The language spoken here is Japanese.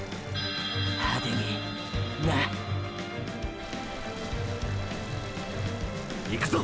派手にな。いくぞ！！